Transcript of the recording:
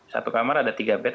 satu kamar ada tiga bed